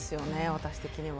私的には。